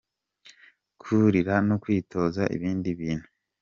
kurira no kwitoza ibindi bintu.